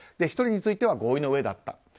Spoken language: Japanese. １人については合意の上だった。